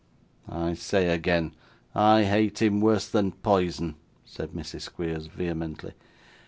'I say again, I hate him worse than poison,' said Mrs. Squeers vehemently.